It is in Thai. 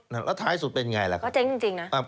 แล้วท้ายสุดเป็นไงล่ะก็เจ๊งจริงนะ